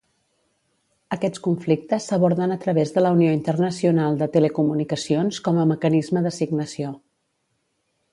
Aquests conflictes s'aborden a través de la Unió Internacional de Telecomunicacions com a mecanisme d'assignació.